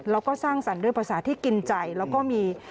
แล้วก็สร้างสรรค์ด้วยภาษาที่กินใจแล้วก็มี